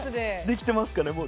できてますかね？